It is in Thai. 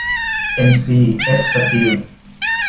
เอ็ม ซี เอส สตีล